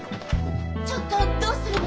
ちょっとどうするの？ねえ？